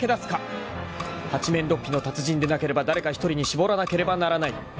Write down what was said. ［八面六臂の達人でなければ誰か一人に絞らなければならない］